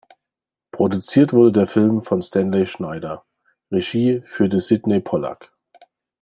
Produziert wurde der Film von Stanley Schneider, Regie führte Sydney Pollack.